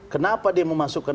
kenapa dia memasukkan